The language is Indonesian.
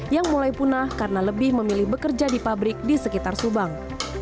yang mulai punah karena lebih memilih bekerja di pabrik di sekitar subang